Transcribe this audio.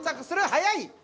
早い！